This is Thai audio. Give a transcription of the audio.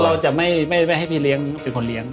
เราจะไม่ให้พี่เลี้ยงเป็นคนเลี้ยง